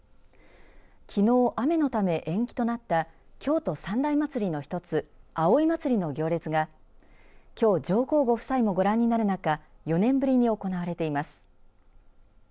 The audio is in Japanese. きのう雨のため延期となった京都三大祭りの一つ葵祭の行列がきょう上皇ご夫妻もご覧になる中４年ぶりに行われています。